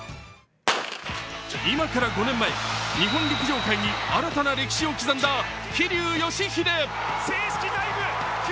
今から５年前、日本陸上界に新たな歴史を刻んだ桐生祥秀。